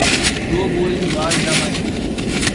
دو بول کے بعد حرا مانی کی غلطی